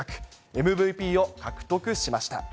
ＭＶＰを獲得しました。